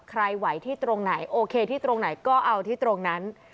ไหวที่ตรงไหนโอเคที่ตรงไหนก็เอาที่ตรงนั้น